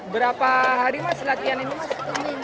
berapa hari mas latihan ini mas